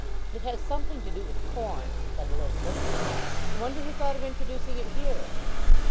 "It has something to do with corn," said Elizabeth. "I wonder who thought of introducing it here?"